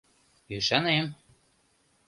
— Ӱшанем...